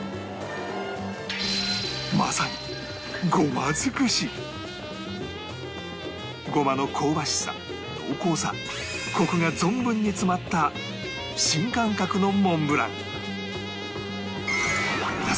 濃厚なまさにごまの香ばしさ濃厚さコクが存分に詰まった新感覚のモンブラン